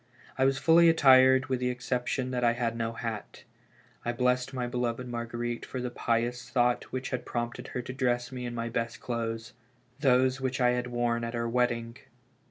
I was fully attired with the exception that had no hat. I blessed my beloved Marguerite for the pious thought which had prompted her to dress me in my best clothes — those which I had wprn at our wed: ding.